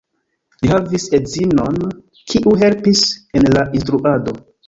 Li havis edzinon, kiu helpis en la instruado.